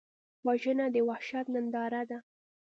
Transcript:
وژنه د وحشت ننداره ده